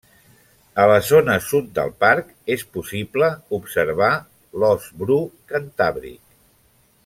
A la zona sud del parc és possible observar l'ós bru cantàbric.